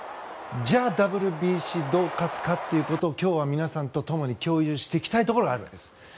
じゃあＷＢＣどう勝つかということを今日は皆さんと共に共有していきたいところがあるんです。